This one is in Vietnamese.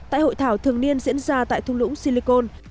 tại hội thảo thường niên diễn ra tại thung lũng silicon